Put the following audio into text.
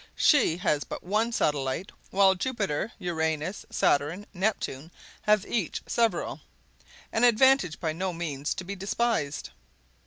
She has but one satellite, while Jupiter, Uranus, Saturn, Neptune have each several, an advantage by no means to be despised.